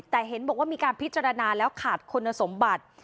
แต่เห็นบอกว่ามีการพิจารณาแล้วขาดคุณสมบัติ